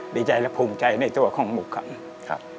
ดีใจและภูมิใจในตัวของหมุกครับ